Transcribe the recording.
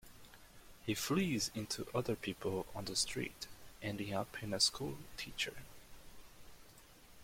He flees into other people on the street, ending up in a schoolteacher.